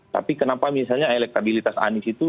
tapi kenapa misalnya elektabilitas anies itu